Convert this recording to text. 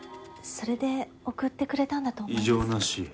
それで送ってくれたんだと思います。